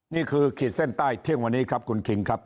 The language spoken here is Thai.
ขีดเส้นใต้เที่ยงวันนี้ครับคุณคิงครับ